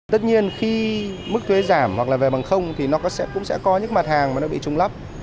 tất nhiên khi mức thuế giảm hoặc là về bằng không thì nó cũng sẽ có những mặt hàng mà nó bị trung lấp